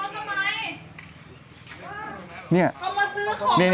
เอาไปขับเคราะห์ทำไม